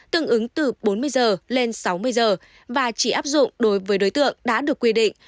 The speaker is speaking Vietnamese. tương ứng từ bốn mươi giờ lên sáu mươi giờ và chỉ áp dụng đối với đối tượng đã được quy định